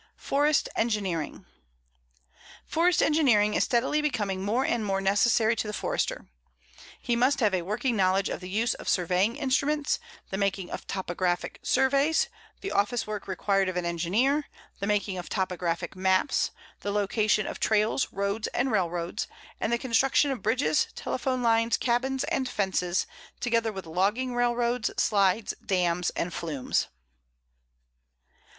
FOREST ENGINEERING: Forest engineering is steadily becoming more and more necessary to the Forester. He must have a working knowledge of the use of surveying instruments; the making of topographic surveys; the office work required of an engineer; the making of topographic maps; the location of trails, roads, and railroads; and the construction of bridges, telephone lines, cabins, and fences, together with logging railroads, slides, dams, and flumes.